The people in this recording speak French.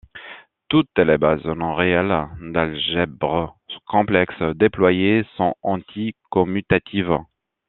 Toutes les bases non réelles d'algèbres complexes déployées sont anti-commutatives.